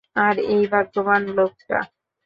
আর, এই ভাগ্যবান লোকটা।